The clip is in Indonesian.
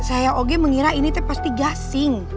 saya oge mengira ini teh pasti gasing